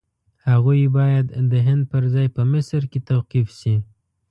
هغوی باید د هند پر ځای په مصر کې توقیف شي.